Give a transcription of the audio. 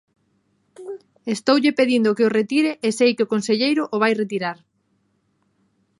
Estoulle pedindo que o retire e sei que o conselleiro o vai retirar.